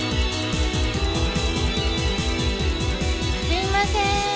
すいません。